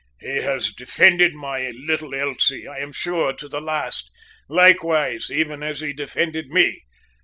"He has defended my little Elsie, I am sure, to the last, likewise, even as he defended me.